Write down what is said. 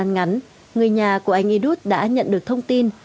ngắn người nhà của anh youth đã nhận được thông tin